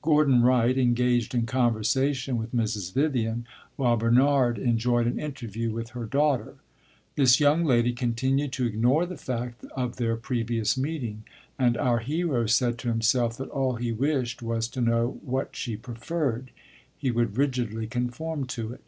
Gordon Wright engaged in conversation with Mrs. Vivian, while Bernard enjoyed an interview with her daughter. This young lady continued to ignore the fact of their previous meeting, and our hero said to himself that all he wished was to know what she preferred he would rigidly conform to it.